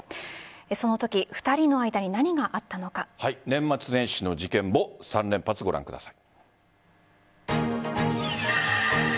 そのとき年末年始の事件簿３連発ご覧ください。